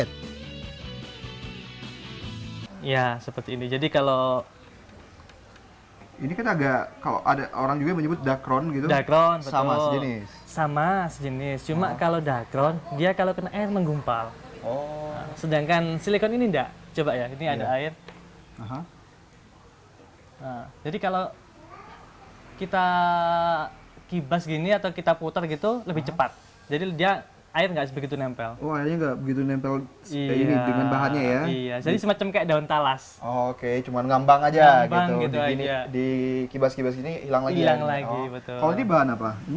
dekat brawijaya dekat unmu disini